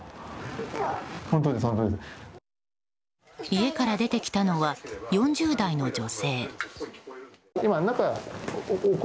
家から出てきたのは４０代の女性。